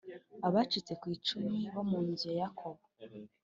abacitse ku icumu bo mu nzu ya Yakobo,